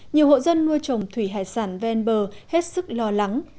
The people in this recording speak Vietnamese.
nhiều hộ dân nuôi trồng thủy hải sản ven bờ hết sức lo lắng